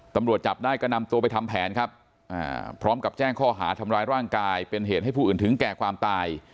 ตำรวจจับได้ก็นำตัวไปทำแผนครับพร้อมกับแจ้งข้อหาทำร้ายร่างกายเป็นเหตุให้ผู้อื่นถึงแก่ความตาย